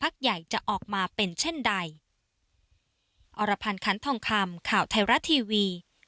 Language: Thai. ใหญ่จะออกมาเป็นเช่นใด